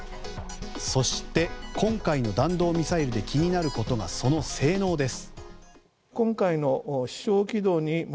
そして、今回の弾道ミサイルで気になることがその性能です。